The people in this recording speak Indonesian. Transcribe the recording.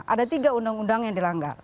ada tiga undang undang yang dilanggar